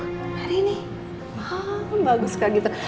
hari ini bagus kayak gitu